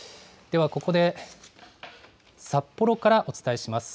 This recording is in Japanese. ではここで、札幌からお伝えします。